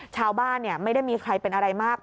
ชาวบ้านไม่ได้มีใครเป็นอะไรมาก